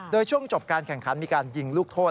โดยช่วงจบการแข่งขันมีการยิงลูกโทษ